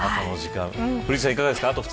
古市さん、いかがですか。